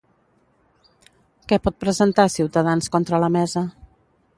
Què pot presentar Ciutadans contra la mesa?